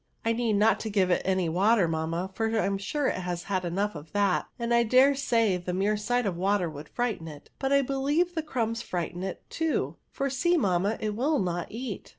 I need not give it any water, mamma ; I am sure it has had enough of that, and I dare say the mere sight of water would frighten it : but I believe the crumbs frighten it too, for see, mamma, it will not eat."